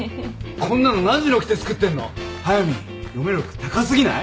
こんなの何時に起きて作ってんの？はやみん嫁力高過ぎない？